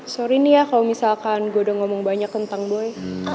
sorry nih ya kalau misalkan gue udah ngomong banyak tentang boy